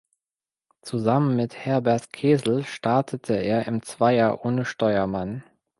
Zusammen mit Herbert Kesel startete er im Zweier ohne Steuermann.